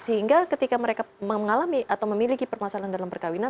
sehingga ketika mereka mengalami atau memiliki permasalahan dalam perkawinan